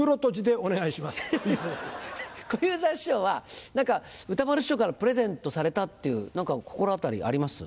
小遊三師匠は歌丸師匠からプレゼントされたっていう何か心当たりあります？